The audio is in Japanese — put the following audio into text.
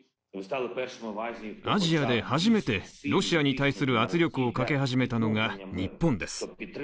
アジアで初めてロシアに対する圧力をかけ始めたのは日本です。